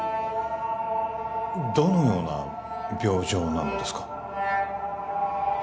どのような病状なのですか？